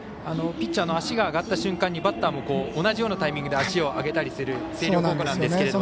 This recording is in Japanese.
ピッチャーの足が上がった瞬間にバッターも同じようなタイミングで足を上げたりする星稜高校なんですが。